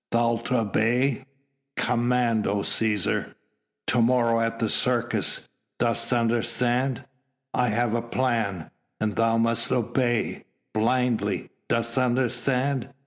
"Thou'lt obey?" "Command, O Cæsar!" "To morrow at the Circus ... dost understand?... I have a plan ... and thou must obey ... blindly ... dost understand?"